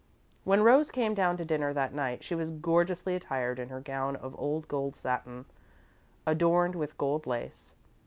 When Rose came down to dinner that night, she was gorgeously attired in her gown of old gold satin, adorned with gold lace.